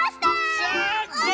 すっごい！